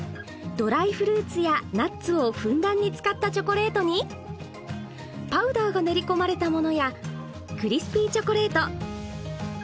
ドライフルーツやナッツをふんだんに使ったチョコレートにパウダーが練りこまれたものやクリスピーチョコレート。